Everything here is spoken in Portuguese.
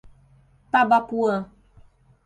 Tabapuã